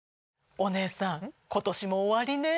お姉さん今年も終わりねぇ。